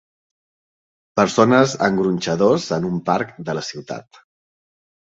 Persones en Gronxadors en un parc de la ciutat.